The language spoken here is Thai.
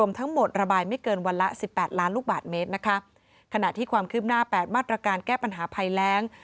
การกับความคืบหน้าแปดมาตรการแก้ปัญหาพัยแรง